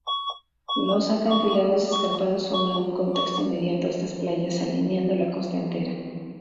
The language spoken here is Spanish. Los acantilados escarpados forman un contexto inmediato a estas playas, alineando la costa entera.